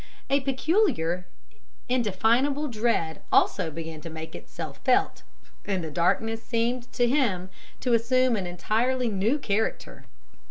A peculiar, indefinable dread also began to make itself felt, and the darkness seemed to him to assume an entirely new character.